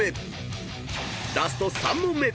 ［ラスト３問目。